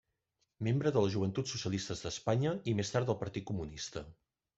Membre de les Joventuts Socialistes d'Espanya i més tard del Partit Comunista.